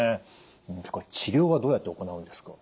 治療はどうやって行うんですか？